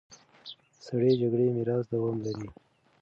سړې جګړې میراث دوام لري.